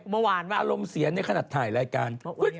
เมื่อวานอารมณ์เสียในขนาดถ่ายรายการ